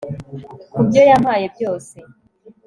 kubyo yampaye byose